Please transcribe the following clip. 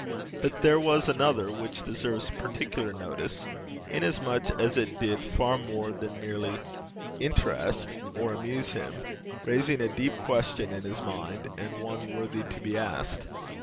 But there was another which deserves particular notice, inasmuch as it did far more than merely interest or amuse him, raising a deep question in his mind, and one worthy to be asked.